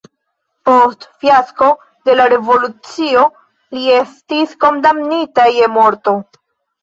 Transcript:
Post fiasko de la revolucio li estis kondamnita je morto.